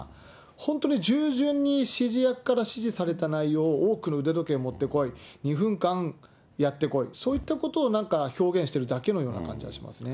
本当に従順に指示役から指示された内容を、多くの腕時計を持って来い、２分間やってこい、そういったことをなんか、表現してるだけのような感じがしますね。